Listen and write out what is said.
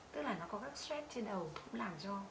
tức là nó có các stress trên đầu cũng làm cho